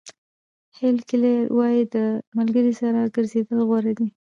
هیلن کیلر وایي د ملګري سره ګرځېدل غوره دي.